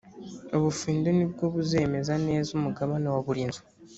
ubufindo ni bwo buzemeza neza umugabane wa buri nzu.